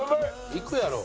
いくやろ。